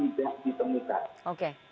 itu yang diberi adalah notifikasi